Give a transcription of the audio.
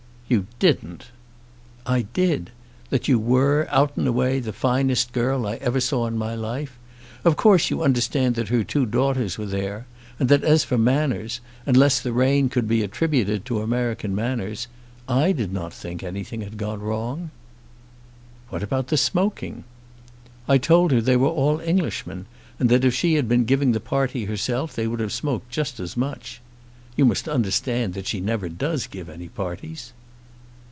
"You didn't." "I did; that you were, out and away, the finest girl I ever saw in my life. Of course you understand that her two daughters were there. And that as for manners, unless the rain could be attributed to American manners, I did not think anything had gone wrong." "What about the smoking?" "I told her they were all Englishmen, and that if she had been giving the party herself they would have smoked just as much. You must understand that she never does give any parties."